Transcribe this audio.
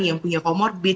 yang punya komorbid